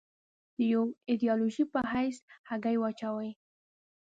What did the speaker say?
د یوې ایدیالوژۍ په حیث هګۍ واچوي.